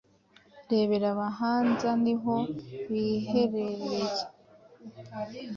rebera Ahabanza niho biherereye